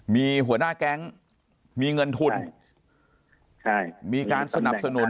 มีหัวหน้าแก๊งมีเงินทุนใช่มีการสนับสนุน